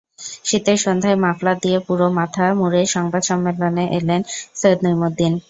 শীতের সন্ধ্যায় মাফলার দিয়ে পুরো মাথা মুড়ে সংবাদ সম্মেলনে এলেন সৈয়দ নইমুদ্দিন।